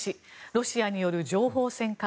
ロシアによる情報戦か。